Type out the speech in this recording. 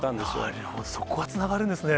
なるほど、そこがつながるんですね。